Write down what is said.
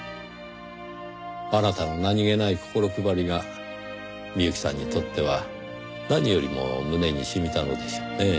あなたの何げない心配りが美由紀さんにとっては何よりも胸に染みたのでしょうねぇ。